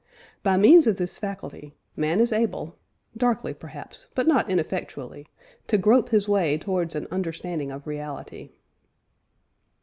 By means of this faculty, man is able, darkly perhaps but not ineffectually, to grope his way towards an understanding of reality.